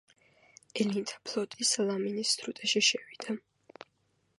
ელინთა ფლოტი სალამინის სრუტეში შევიდა.